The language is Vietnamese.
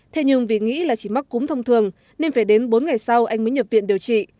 thế nhưng vì nghĩ là chỉ mắc cúm thông thường nên phải đến bốn ngày sau anh mới nhập viện điều trị